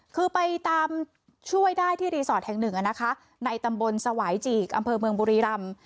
คือไปตามช่วยได้ที่แห่งหนึ่งอ่ะนะคะในตำบลสวายจีกอำเภอเมืองบุรีรัมป์